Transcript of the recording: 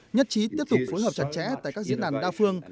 nhất trí tiếp tục phối hợp chặt chẽ tại các diễn đàn đa phương